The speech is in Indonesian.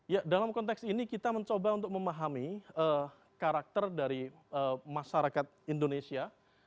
ya dalam konteks ini kita mencoba untuk memahami karakter dari masyarakat indonesia